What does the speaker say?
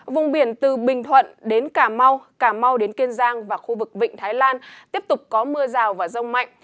vùng biển từ bình thuận đến cà mau cà mau đến kiên giang và khu vực vịnh thái lan tiếp tục có mưa rào và rông mạnh